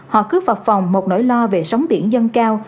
họ cứ vào phòng một nỗi lo về sóng biển dân cao